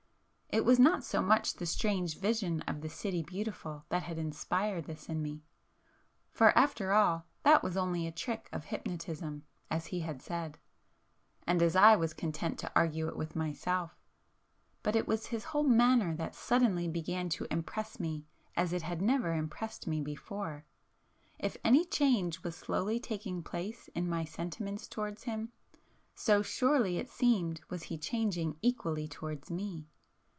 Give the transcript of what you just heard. It was not so much the strange vision of the 'City Beautiful' that had inspired this in me,—for after all, that was only a trick of hypnotism, as he had said, and as I was content to argue it with myself,—but it was his whole manner that suddenly began to impress me as it had never impressed me before. If any change was slowly taking place in my sentiments towards him, so surely it seemed was he changing equally towards me.